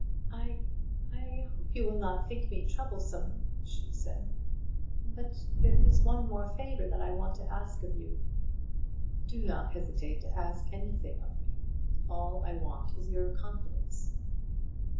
"I I hope you will not think me troublesome," she said; "but there is one more favour that I want to ask of you." "Do not hesitate to ask anything of me; all I want is your confidence."